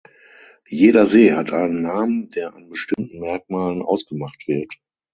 Jeder See hat einen Namen, der an bestimmten Merkmalen ausgemacht wird.